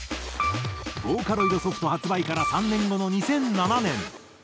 ボーカロイドソフト発売から３年後の２００７年。